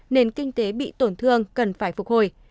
nền kinh tế bị tổn thương cần phải phục hồi